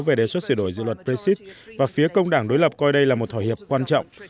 về đề xuất sửa đổi dự luật brexit và phía công đảng đối lập coi đây là một thỏa hiệp quan trọng